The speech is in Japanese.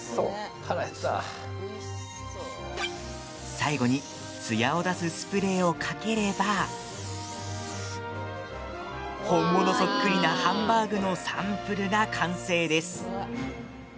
最後に、つやを出すスプレーをかければ本物そっくりなハンバーグのサンプルが完成です。